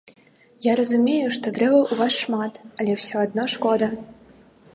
Я разумею, што дрэваў у вас шмат, але ўсё адно шкода.